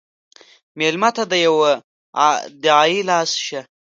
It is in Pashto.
مېلمه ته د یوه دعایي لاس شه.